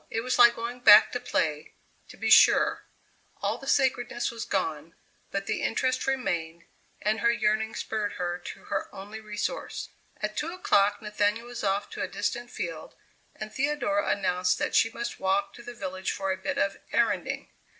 It was like going back to play, to be sure; all the sacredness was gone, but the interest remained, and her yearning spurred her to her only resource. At two o'clock Nathaniel was off to a distant field, and Theodora announced that she must walk to the village for a bit of "erranding."